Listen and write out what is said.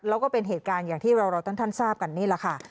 แล้วก็เป็นเหตุการณ์อย่างที่เราท่านทราบกันนี่แหละค่ะ